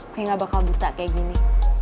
kayak gak bakal buta kayak gini